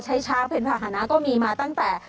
ใช้ช้างเพื่อนภาคนะก็มีมาตั้งแต่